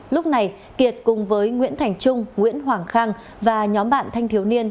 lúc này kiệt cùng với nguyễn thành trung nguyễn hoàng khang và nhóm bạn thanh thiếu niên